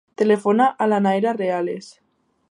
Telefona a la Naira Reales.